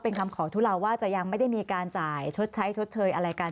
เป็นคำขอทุเลาว่าจะยังไม่ได้มีการจ่ายชดใช้ชดเชยอะไรกัน